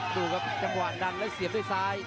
ดูครับจังหวะดันแล้วเสียบด้วยซ้าย